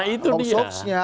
nah itu dia